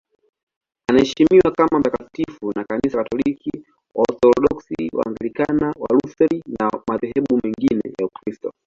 Anaheshimiwa kama mtakatifu na Kanisa Katoliki, Waorthodoksi, Waanglikana, Walutheri na madhehebu mengine ya Ukristo.